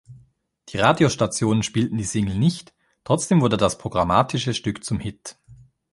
Die Radiostationen spielten die Single nicht, trotzdem wurde das programmatische Stück zum Hit.